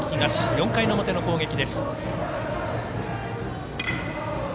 ４回の表の攻撃です。